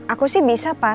aku sih bisa pak